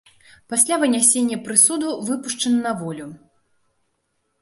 Пасля вынясення прысуду, выпушчаны на волю.